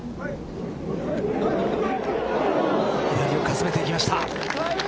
左をかすめてきました。